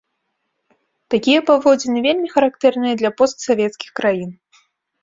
Такія паводзіны вельмі характэрныя для постсавецкіх краін.